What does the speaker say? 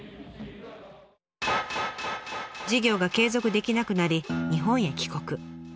事業が継続できなくなり日本へ帰国。